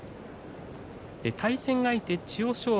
対戦相手、千代翔馬